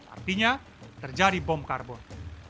artinya terjadi bom karbon